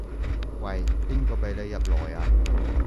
喂，邊個畀你入來啊？